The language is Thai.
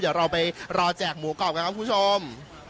เดี๋ยวเราไปรอแจกหมูกรอบกันครับคุณผู้ชม